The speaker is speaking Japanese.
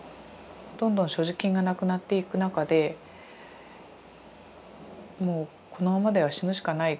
どんどん所持金がなくなっていく中でもうこのままでは死ぬしかない。